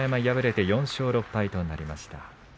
敗れて４勝６敗となりました。